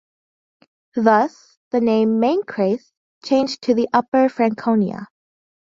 Thus the name Mainkreis changed to Upper Franconia.